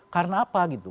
karena apa gitu